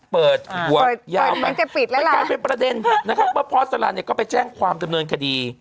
เปิดเวิร์ดยาวไปการเป็นประเด็นเพื่อพอร์ตสลานก็ไปแจ้งความจำนวนคดี